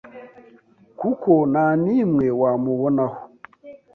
kuko nta nimwe wamubonaho